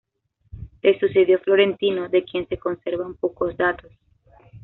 Le sucedió Florentino, de quien se conservan pocos datos.